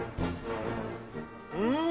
うん！